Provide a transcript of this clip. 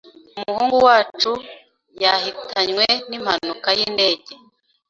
umuhungu wacu yahitanywe n’impanuka y’indege,